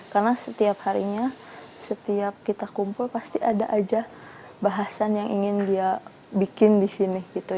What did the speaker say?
karena setiap harinya setiap kita kumpul pasti ada aja bahasan yang ingin dia bikin di sini gitu